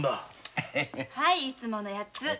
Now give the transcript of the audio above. はいいつものヤツ。